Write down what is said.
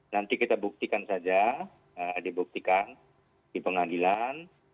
nanti kita buktikan saja dibuktikan di pengadilan